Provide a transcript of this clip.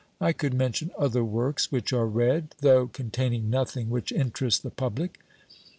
I could mention other works which are read, though containing nothing which interests the public."